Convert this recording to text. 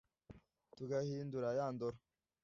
tugahindura ya ndoro